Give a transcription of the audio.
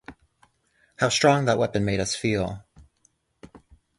How strong that weapon made us feel.